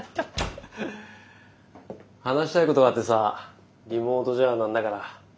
話したいことがあってさリモートじゃなんだから。